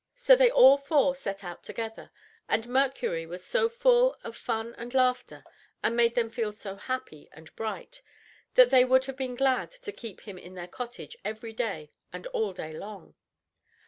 So they all four set out together, and Mercury was so full of fun and laughter, and made them feel so happy and bright, that they would have been glad to keep him in their cottage every day and all day long.